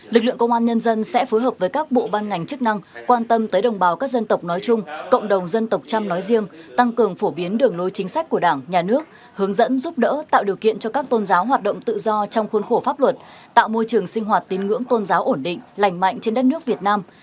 lực lượng công an nhân dân sẽ phối hợp với các bộ ban ngành chức năng quan tâm tới đồng bào các dân tộc nói chung cộng đồng dân tộc trăm nói riêng tăng cường phổ biến đường lối chính sách của đảng nhà nước hướng dẫn giúp đỡ tạo điều kiện cho các tôn giáo hoạt động tự do trong khuôn khổ pháp luật tạo môi trường sinh hoạt tín ngưỡng tôn giáo ổn định lành mạnh trên đất nước việt nam